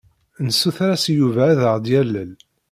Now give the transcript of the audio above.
Nessuter-as i Yuba ad aɣ-yalel.